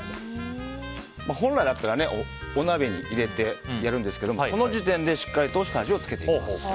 本来だったらお鍋に入れてやるんですけどこの時点でしっかりと下味をつけていきます。